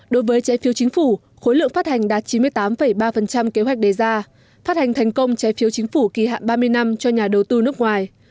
đối với trái phiếu chính phủ khối lượng phát hành đạt chín mươi tám ba kế hoạch đề ra phát hành thành công trái phiếu chính phủ kỳ hạn ba mươi năm cho nhà đầu tư nước ngoài